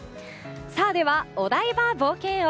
では、お台場冒険王。